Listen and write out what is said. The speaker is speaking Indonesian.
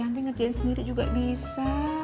nanti ngerjain sendiri juga bisa